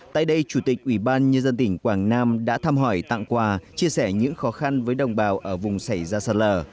tại đây chủ tịch ủy ban nhân dân tỉnh quảng nam đã thăm hỏi tặng quà chia sẻ những khó khăn với đồng bào ở vùng xảy ra sạt lở